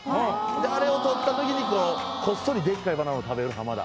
あれを取ったときにこっそりでっかいバナナを食べる浜田。